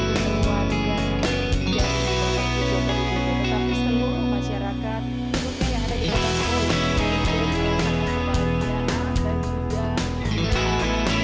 saya ingin mengucapkan terima kasih kepada anda semua yang telah menonton video ini